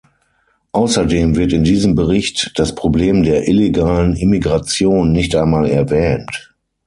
Außerdem wird in diesem Bericht das Problem der illegalen Immigration nicht einmal erwähnt.